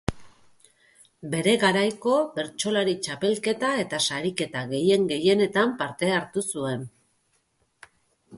Bere garaiko bertsolari txapelketa eta sariketa gehien-gehienetan parte hartu zuen.